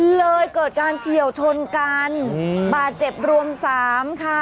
เลยเกิดการเฉียวชนกันบาดเจ็บรวม๓ค่ะ